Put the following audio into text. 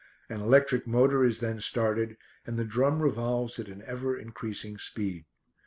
An electric motor is then started, and the drum revolves at an ever increasing speed.